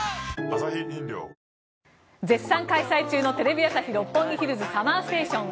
絶賛開催中の「テレビ朝日・六本木ヒルズＳＵＭＭＥＲＳＴＡＴＩＯＮ」